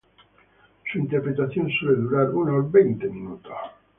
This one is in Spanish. Su interpretación suele durar unos veinte minutos.